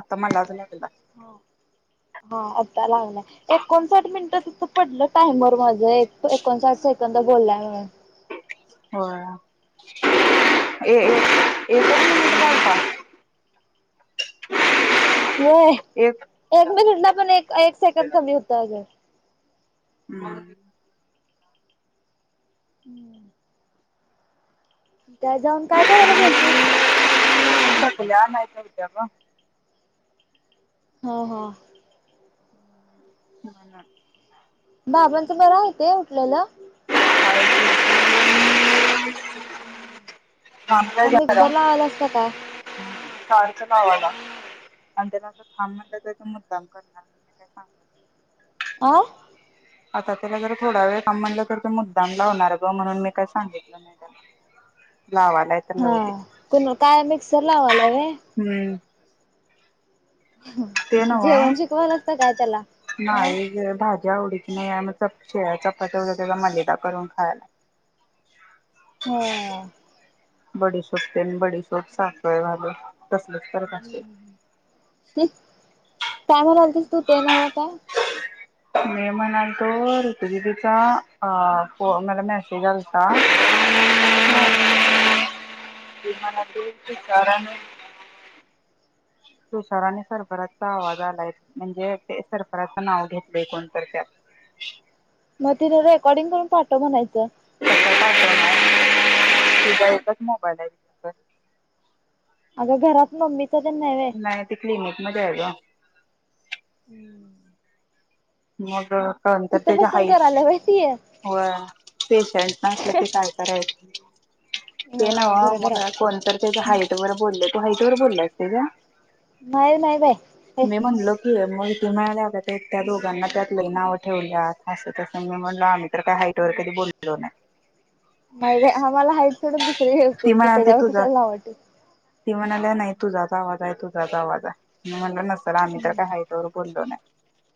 आत मलाच लागला हा आता लागलाय एकोणसाठ मिनिटं तिथं पडलं टाइमर माझ एकोणसाठ सेकंद बोलाय म्हणून होय [unintelligible] होय एक मिनिटला पण एक एक सेकंड कमी होत अग हम् ह् त्या जाऊन काय करायला गेलतीस [unintelligible] हा हा हम् ह ना बाबांचा बर हाय ते उठलेल? थांबलाय का मिक्सर लावायला अस का काय? सारखं लावलं आणि त्याला अस थांब म्हटलं तर त मुद्दाम करणार म्हण मी काय सांग ना आ आता त्याला जर थोडा वेळ का म्हणलं तर ते मुद्दाम लावणार ग म्हणून मी काही सांगितलं नाही त्याला ह हा कण काय मिक्सर लावायाल व्हय? हम्म ते नव्ह जेवण शिकवायलास का काय त्याला हा नाही ग भाजी भाजी आवडीची नाही आहे मग शेळ चपात्या त्याचा मलिदा करून खायला ह बडीशोपतेन बडीशोप साखळे झाल काय म्हणालतीस तू ते नव्ह काय [inaudible] मे महिन्यात तो ऋतू दीदी चा फो म्हला मॅसेज आलता हा [unintelligible] तुषाराने सरफराचा आवाज आलाय म्हणजे ते सरफराचं नाव घेतलंय कोणतर त्यात [unintelligible] मग तिला रेकॉर्डिंग करून पाठव म्हणायचं तुझा एकच मोबाईल आहे का? अग घरात मम्मी नाही ते क्लिनिक मध्ये आहे ग? हम्म मग तर त्याच्या बसून हाईट करायला व्हय ती व पेशंट असल्या कि काय करायचं? ते ना हो बरोबर मग आहे कोणत त्याच हाईट वर बोलले हाईट वर बोललाय ते का त्या? नाही नाही बाई हे मी म्हणलो की म्हणाल्या ते त्या लोघांना त्यातले नाव ठेवल्या असं तसं मी म्हणलं आम्ही का हईट वर कधी बोललो नाही नाही र आम्हाला हाईट सोडून, दुसर्या व्यवस्थेत ती की म्हणालती त्याच्यावर तुझा कशाला वाटल ती म्हणाली नाही तुझाच आवाज आहे तुझाच आवाज आहे मी म्हणल नसल आम्ही तर काय हाईट वर काही बोललो नाही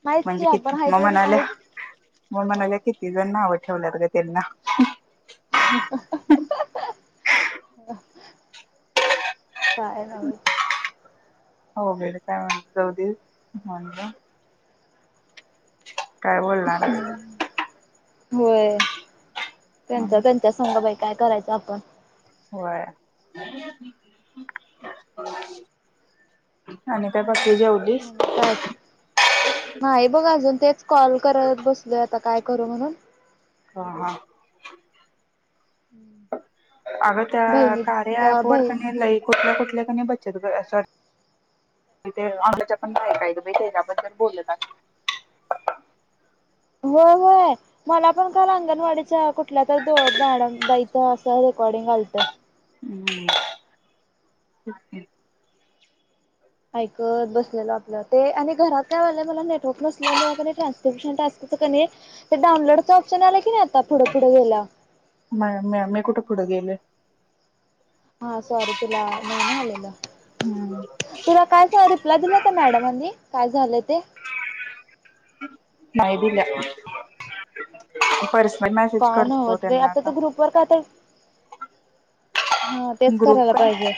नाहीच की म्हणजे आपण किती हाईट मग वरच म्हनाल्या हाईट मग म्हनाल्या किती? ना आव ठेवल्या ग त्यांना [inaudible] काय राव? हो बेड काय म्ह जा म्ह [unintelligible] काय बोलणार ना? होय त्यांचा त्यांच्या संग बाई काय करायचं आपण,? होय आणि त्या काय नाही बघ अजून तेच कॉल करत बसल आता काय करू म्हणून? हा हा. अगं त्या कार्या बहिणीला एप बहीण लई कुठल्या कुठल्या त बचत ते आम्हाच्या पण काय [unintelligible] कायद बा त्याच्याबद्दल बोलत [inaudible] हो होय मला पण काल अंगणवाडीच्या कुठल्या तर दो मॅड बाईच सर रेकॉर्डिंग आलत? हम् के. ऐकत बसलेल आपलं ते आणि घरात काय वलेबला नेटवर्क नसल्यामुळे क ट्रान्सपिमिशन टास्क? डाउनलोड ऑप्शन आला की नाही आता पुढे पुढे गेला पुढं गेले, हा सॉरी तुला नाही ना आलेलं हम्म तुला काय सांग रिप्लाय दिला होता मॅडमांनी? काय झालं ते नाही दिल्या पर काण नव्हे होत रे आता ते ग्रुपवर काता [unintelligible] हा तेच ग्रुप करायला का पाहिजे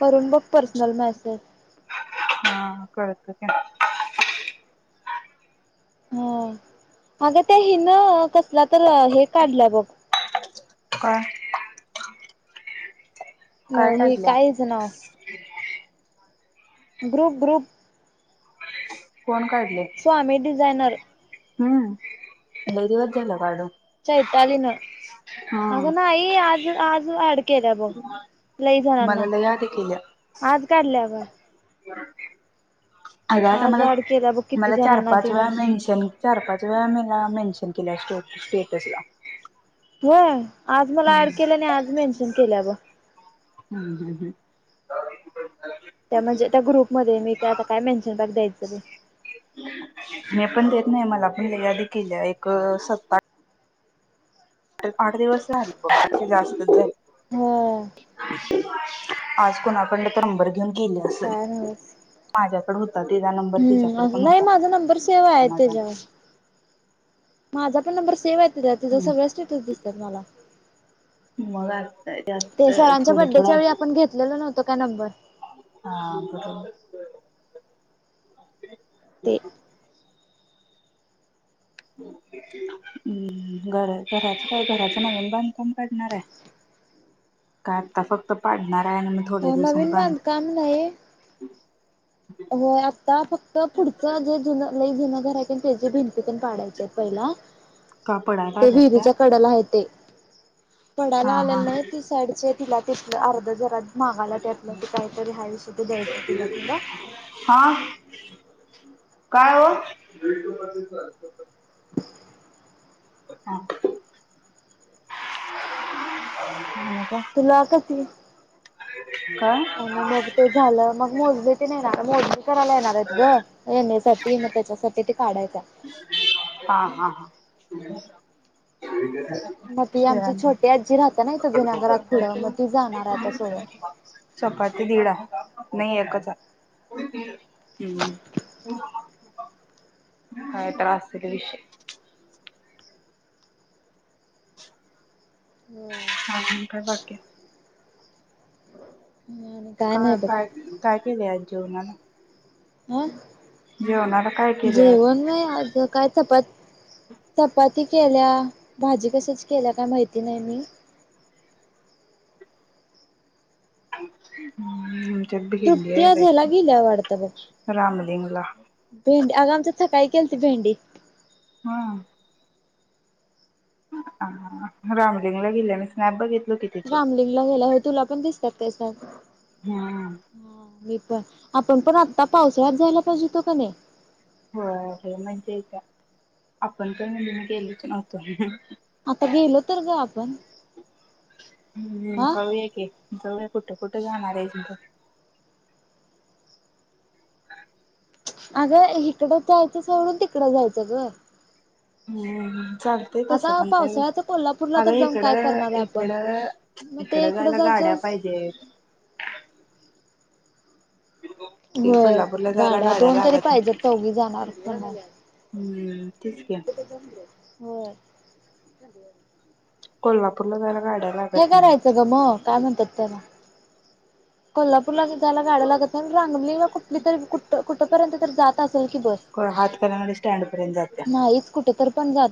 करून बघ पर्सनल मेसेज हा कळत किती हा अगं त्या हिन कसला तर हे काढलं बघ काय? अ काय हे काढल्या कायच नाव? Group group. कोण स्वामी ही डिझायनर हम् ै [unintelligible] रीव झाल काडू चैतालीन अगं नाही आज आज अड केल्या ग लई मला जणांना लय याद केल्या आज काढल्या ग अग आता मला, ऍड केल्या बघ किती मला चार जणांना पाच तिने वेळा मेनशन चार पाच वेळा मेला मेन्शन केल्या, स्टेटस ला होय आज मला ऍड केलं आणि आज मेन्शन केल्या बघ हम्म हम् हम्. त्या म्हणजे त्या ग्रुपमध्ये मी आता काय मेन्शन करत्याय मी पण देत नाही मला पहिली यादी केल्या, एक सत्ता आठ दिवस झाल जास्तच हो आज कोणाकंड तरंबर घेऊन गेले असेल काय नव्हच माझ्याकड होता ते नंबर तिच्याकडे पण नाही होता माझा नंबर सेव्ह आहे माझा त्याच्यावर माझा पण नंबर सेव्ह आहे त जस वेस्ट येतच दिसतात मला मग आता त्यात ते सरांच्या थोडं बडडेच्या थोडं वेळी आपण घेतलेल नव्हत काय नंबर हा बरो ते- हम्म घर घराच काय घराच नवीन बांधकाम पडणार आहे- का आता फक्त पाडणार- काय नाय मी थोडे दिवसाणी नवीन बांधकाम नाही. बंद- होय आता फक्त पुढच जे जुन लयी जुनागर [inaudible] त्या भिंती पण पाडायचे आहेत पहिला का पडायला ते आल्यात का विहिरीच्या कड्याला आहे ते [inaudible] पडायला हा हा आलेली नाही ती साईडचे तिला तसलं अर्ध जरा मागाला त्यातलं क काहीतरी हा- ते देयच तुला तड [inaudible] हा काय हो- [unintelligible] ह [unintelligible] तुला का त [inaudible] काय आणि मग ते झालं मग मोजले ते नाही रा मोजले [inaudible] करायला येणार आहेत ग येण्यासाठी मग त्याच्यासाठी ते काढायच [inaudible] हा- हा -हा- [inaudible] मग ती शिळा आमची नाही छोटी आजी राहत ना इथ जुन्या घरात पुढं मग ती जाणार आहे आता सोडून [inaudible] चपात ते दीडा [inaudible] नाही एकच आहे हम् [inaudible] हा त्रास विषय [inaudible] ह अजून काय बाकी्य [inaudible] आणि का नाही बघ -काय -काय -क -आज जेवनाला [inaudible] ह काय केले आज जेवण नाही अग काय चपत [inaudible] चपाती केल्या भाजी कशची केल्या काय माहिती नाही मी- [unintelligible] ह् आमच्या भिली तृप्ती आहे आज ह्याला गेल्या वाटतं बघ बा रामलिंगला [inaudible] भेंडी आगा आमच्यात सकाळी केलती भेंडी [inaudible] हा- [inaudible] ह राम [inaudible] रामलिंगला गेला हो तुला पण दिसतात त्यास [inaudible] ह मी पण आपण पण आता पावसाळ्यात जायला पाहिजे हो तो का नाही- [inaudible] हो -हो म्हणजेच आपण पण काय म्हजे गेलोच नव्हतो [inaudible] आता गेलो तर ग आपण [inaudible] हम् -हम हा जाऊया की जाऊया [inaudible] कुठ कुठ जाणार र आहेस ग- [inaudible] [unintelligible] अगं इकडं जायचं सोडून तिकडं जायचं ग- हम्- चालते तस आता पण काही पावसाळ्याच कोल्हापूरला अग तर जाऊन इकड- काय करणार आहे आपण इकड- मग इकड ते इकडं -जायला गा [inaudible] जायचं ड पाहिजे [inaudible] होय कोल्हापूरला जायला गाड्या दोन तरी लागत पाहिजेत चौघी जाणार [inaudible] हम् [inaudible] हो कोल्हापूरला [inaudible] जायला हो गाड्या हे लागत नाही. करायचं ग मग काय म्हणतात त्याला [inaudible] कोल्हापूरला जायला गाड्या लागत नाही सांगलीला कुठली तरी कुठ कुठपर्यंत तरी जात अस की बस हातकणंगले स्टँड पर्यंत जात्या. नाहीच कुठे तर पण जात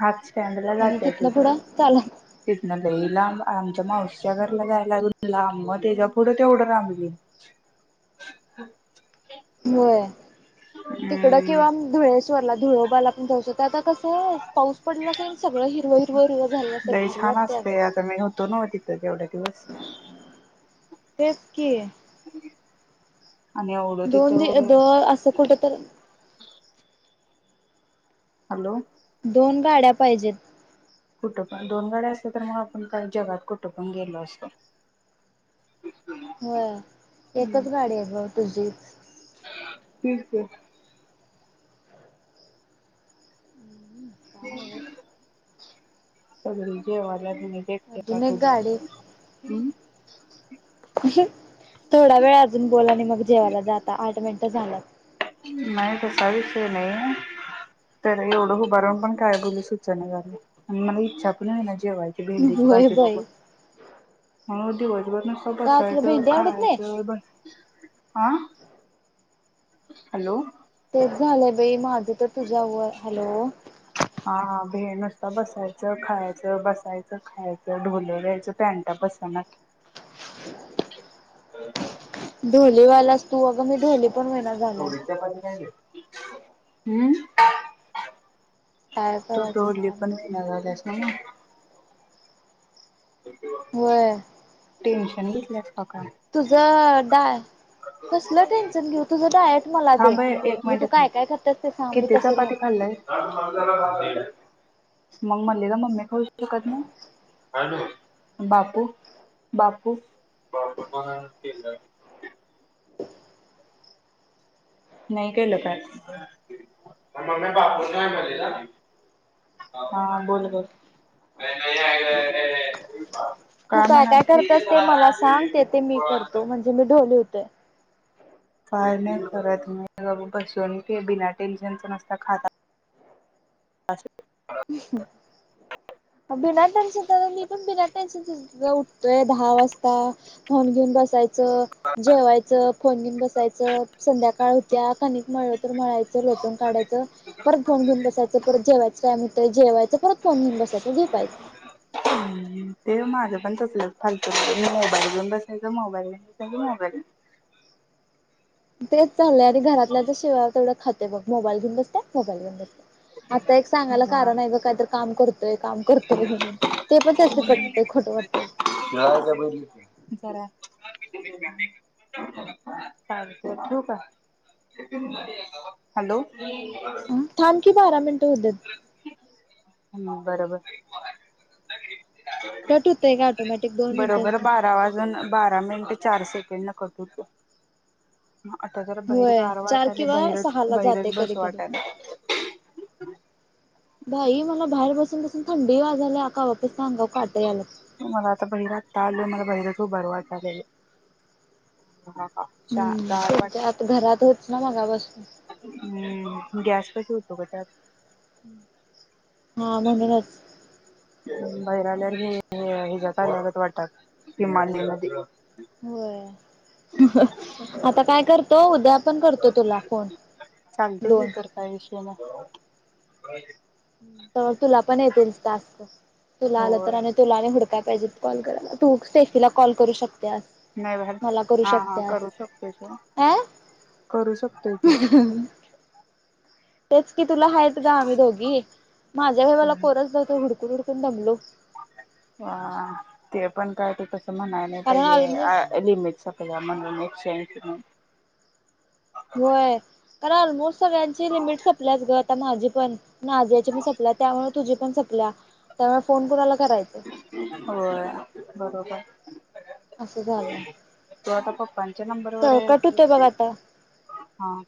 हात आणि तिथलं पुढं चाला. तितन लई लांब आमच्या मावशिच्या घरला जायला लागून लांब. तेज्या पुढ तेवढं रामलिंग. होय, तिकड किंवा धुळेसवरला धुळोबाला जाऊ शकतो. आता कसं आहे. पाऊस पडला काही सगळं हिरवं हिरव हिरव झालं अस लई भारी छान वाटतयं अगं. असतंय आता मी होतो नव्ह तिथं [unintelligible] तेच की. [unintelligible] दोन दि अ तिथं दर अ असं कुठं तर. हॅलो. दोन गाड्या पाहिजेत. कुठं पण दोन गाड्या असत तर मग आपण जगात कुठं पण गेलो असतो. व्हयं एकच हम्म गाडी आहे ग तुझी. तीच ते. [unintelligible] सगळे जेवल्यात मीच एकटी अजून आत एक गाडी उभारलोय. थोडा वेळ अजून बोल आणि मग जेवायला जाता आठ मिनटं झालं. नाही तसा विषय नाही. तर एवढं उभा राहून पण काय बोलू सुचना झालयं आणि मला इच्छा पण होइना. जेवायची भेंडीची होय भाजी बाई बघून. नुसतं का तुला बसायचं भेंडी आवडत नाही खायचं बसायच हा. हॅलो. तेच झालंय बाई माझं तर तुझ्या वरं. हॅलो हे नुसता बसायचं, खायचं बसायचं, खायचं ढोल व्हयचं पॅनटा बसनात. [inaudible] [inaudible] ढोलीवालास तू अग मी ढोली पण होईना झालोय. ह्म्म्म. काय तो करायचं ढोली काय पण नाही होईनास झाल्या न्हवं. होय. टेन्शन घेतल्यासं की काय. तुझ डाय कसलं टेन्शन घेऊ तुझ डायट. मला दे थांबय एक म्हणजे तू मिनिट थांब काय काय करतेस ते सांग मी किती तसे चपाती राहते खाल्लाय. मग मम्मी खाऊ शकत नाही. अन बापू. बापू. बापू पण आणि नाही केलं कायं मग [inaudible] बापू [inaudible] हा बोल गं. तू काय काय करतास ते मला सांग ते ते मी करतो म्हणजे मी ढोली होतोय. कायं नाही करत मी गप्प बसून बिना टेन्शनचा नुसता खात. अस. बिना टेन्शन मी पण बिना टेन्शनचं. उठतोय दहा वाजत फोन घेऊन बसायच. जेवायचं फोन घेऊन बसायचं. संध्याकाळ होत्या कणिक मळ तर मळाचं. लोटून काढायचं परत फोन घेऊन बसायच. परत जेवायच टाइम होतेय जेवायचं परत फोन घेऊन. अन झोपायचं. ते माझं पण तसल फालतू मोबाईल घेऊन बसायचं मोबाईल घेऊन बसायच. मोबाईल [inaudible] तेच चालय आणि घरातल्याच शिव्या तेवढं खाते बघ मोबाईल घेऊन बसत्या मोबाईल घेऊन बसत्या. आता एक सांगायला जरा कारण आहे ग काहीतर काम करतोय काम करतोय म्हणून ते [unintelligible] पण त्यासनी पटतंय खोटं वाटतंय जरा चाल ठेवू का? हॅलो हा थांब की बारा मिनटं होऊ देत. हम्म बरोबर. कट होतंय का ऑटोमॅटिक दोन मिनिटांच बरोबर बारा वाजून बा रा मिनटं चार सेकंडला कट होतो. आता जरा भाहिर होय गार चार वाटायले, किंवा बाहिरच, सहाला जाते बाहिरच कधी बसू कधी वाटालय. बाई मला बाहेर बसून, बसून थंडी वाजल्या, कवापासनं अंगावर काटे आल्यात. मला आता भहिरा ताललोन मला भाहिरचं हूभारू वाटालय. आ छान हम्म गार वाटा तुमच्या आता घरात होच ना मगापासून हम्म गॅसपशी होतो हा म्हणूनच बाहीर आल्यावर हे हे ज्या पाय लागत वाटतं हिमालय मध्ये होय आता काय करतो उ चालतंय की दोन कर काय विषय नाय. अं तुला पण येतील टास्क, तुला आलं तर होय आणि तुला हूड त्या पाहिजेत कॉल करायला,, तू उठतेच तिला कॉल करू शकसेफीला कॉल नाही बाहेर त्यास मला करू हा हा शकत्यास करू शकतोय सोड. आं करू शकतोय की. तेच की तुला हायतं ग आम्ही दोघी, माझ्या वेळी मला कोनचं नव्हतं हुडकून-हुडकून दमलो. हा ते पण काय ते तसं म्हणाय नाय कारण पाहिजे ऑलमोस्ट आ लिमीट सपल्या म्हणून. [unintelligible] होय कारण मोस्ट सगळ्यांची लिमिट संपल्याच ग आता माझी पण, नाजियाची पन सपल्या, त्यामुळे तुझी पण सपल्या, त्यामुळे फोन कुणाला करायचं होय बरोबर. असं झालं. तो आता पप्पांच्या नंबर वर सकट एक होतंय बघ आता. हा.